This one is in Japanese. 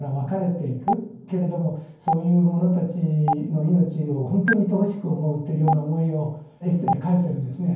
けれどもそういう者たちの命をほんとにいとおしく思うというような思いをエッセーで書いてるんですね。